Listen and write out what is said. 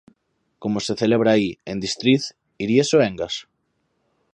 Como se celebra aí, en Distriz, Iria Soengas?